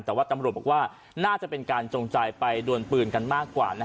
แต่ว่าตำรวจบอกว่าน่าจะเป็นการจงใจไปดวนปืนกันมากกว่า